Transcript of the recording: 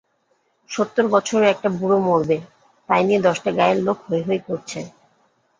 সত্তর বছরের একটা বুড়ো মরবে, তাই নিয়ে দশটা গাঁয়ের লোক হৈ হৈ করছে।